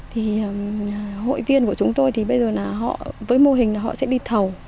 thì hội viên của chúng tôi thì bây giờ là họ với mô hình là họ sẽ đi thầu